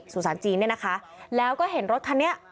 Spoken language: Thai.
สุสานจีนเนี่ยนะคะแล้วก็เห็นรถคันนี้